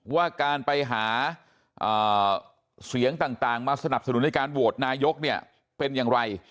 ว่าการไปหาเสียงต่างมาสนับสนุนในการโหวตนายกเนี่ยเป็นอย่างไร